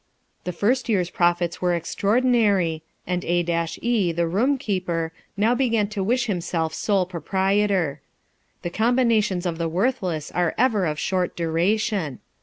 The first year's profits were extraordinary, and A e, the room keeper, now began to wish himself sole proprietor. The combina tions of the worthless are ever of short duration.